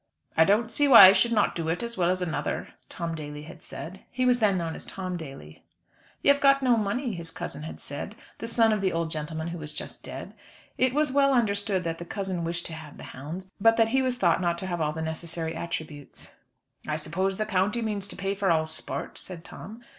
"I don't see why I should not do it, as well as another," Tom Daly had said. He was then known as Tom Daly. "You've got no money," his cousin had said, the son of the old gentleman who was just dead. It was well understood that the cousin wished to have the hounds, but that he was thought not to have all the necessary attributes. "I suppose the county means to pay for all sport," said Tom.